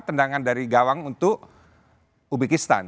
tendangan dari gawang untuk ubekistan